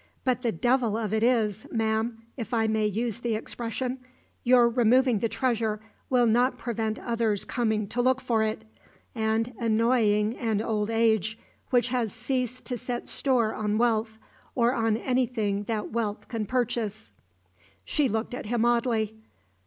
But the devil of it is, ma'am if I may use the expression your removing the treasure will not prevent others coming to look for it, and annoying an old age which has ceased to set store on wealth, or on anything that wealth can purchase." She looked at him oddly.